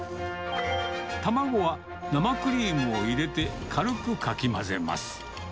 卵は生クリームを入れて軽くかき混ぜます。